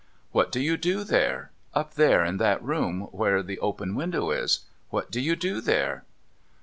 ' What do you do there ? Up there in that room where the open window is. What do you do there